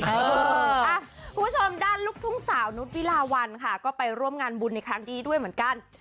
คุณผู้ชมด้านลูกทุ่งสาวนุษย์วิลาวันค่ะก็ไปร่วมงานบุญในครั้งนี้ด้วยเหมือนกัน